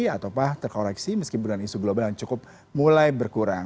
atau terkoreksi meskipun dengan isu global yang cukup mulai berkurang